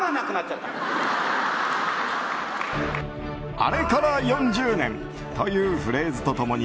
「あれから４０年」というフレーズと共に